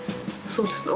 そうですね。